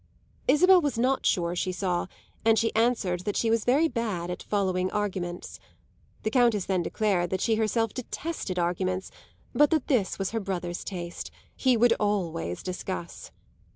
Isabel was not sure she saw, and she answered that she was very bad at following arguments. The Countess then declared that she herself detested arguments, but that this was her brother's taste he would always discuss.